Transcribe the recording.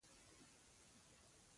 د شکر ناروغان باید له خوږو احتیاط وکړي.